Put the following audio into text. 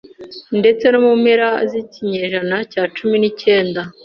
Ndetse no mu mpera z'ikinyejana cya cumi n'icyenda,